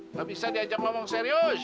nggak bisa diajak ngomong serius